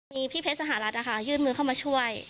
มีพี่เพชรสหรัฐยื่นมือเข้ามาช่วย